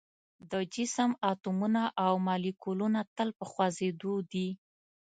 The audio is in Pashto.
د جسم اتومونه او مالیکولونه تل په خوځیدو دي.